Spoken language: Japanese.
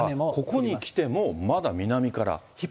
ここに来ても、まだ南から。